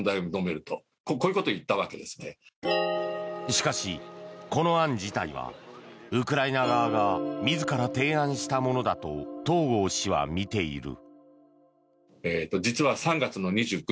しかし、この案自体はウクライナ側が自ら提案したものだと東郷氏は見ている。